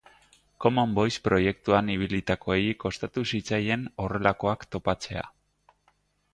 Common Voice proiektuan ibilitakoei kostatu zitzaien honelakoak topatzea.